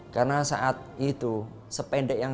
karena saat itu sependek yang